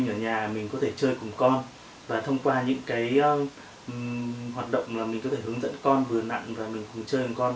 phụ huynh ở nhà mình có thể chơi cùng con và thông qua những cái hoạt động là mình có thể hướng dẫn con vừa nặng và mình cùng chơi cùng con